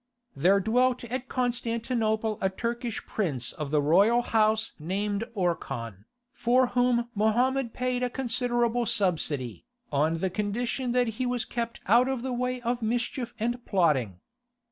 There dwelt at Constantinople a Turkish prince of the royal house named Orkhan, for whom Mohammed paid a considerable subsidy, on condition that he was kept out of the way of mischief and plotting.